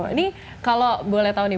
ini kalau boleh tahu nih